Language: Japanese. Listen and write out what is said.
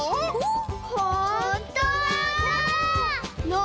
ほんとだ！